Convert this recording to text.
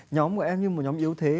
nhóm của em như một nhóm yếu thế